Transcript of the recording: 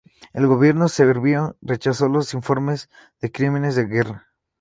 El Gobierno serbio rechazó los informes de crímenes de guerra.